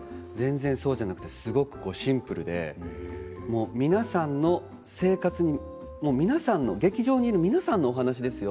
そうじゃなくてすごくシンプルで皆さんの生活、劇場にいる皆さんのお話ですよ。